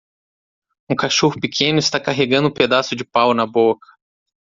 Um cachorro pequeno está carregando um pedaço de pau na boca.